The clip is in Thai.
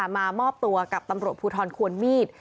มามอบตัวกับตำรวจภูทรควรมีด